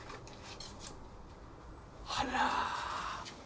あら。